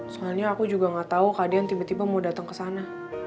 soalnya aku juga gak tau kak deyan tiba tiba mau dateng kesana